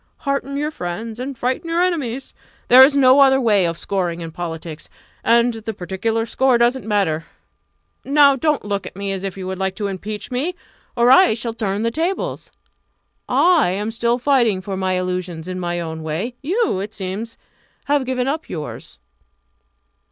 Hearten your friends, and frighten your enemies there is no other way of scoring in politics and the particular score doesn't matter. Now don't look at me as if you would like to impeach me! or I shall turn the tables. I am still fighting for my illusions in my own way you, it seems, have given up yours!"